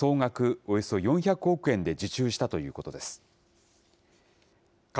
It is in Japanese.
およそ４００億円で受注したということです。